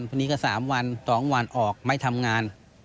ทีนี้ก็๓วัน๒วันออกไม่ทำงาน